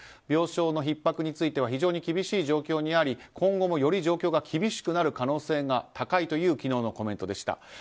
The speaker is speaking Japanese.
病床のひっ迫については非常に厳しい状況にあり今後もより状況が厳しくなる可能性が高いという昨日のコメントでした。